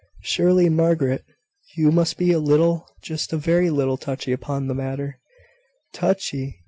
Surely, Margaret, you must be a little, just a very little, touchy upon the matter." "Touchy!